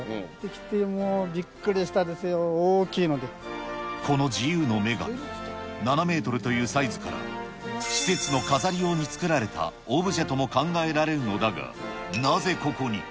来てもう、びっくりしたですよ、この自由の女神、７メートルというサイズから施設の飾り用に作られたオブジェとも考えられるのだが、なぜここに。